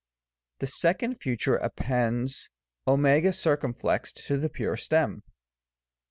The 2d Future appends ^ circumflexed to the pure stem.